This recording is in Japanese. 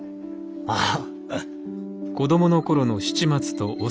ああ。